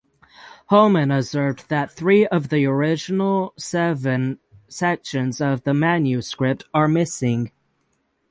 Holman observed that three of the original seven sections of the manuscript are missing.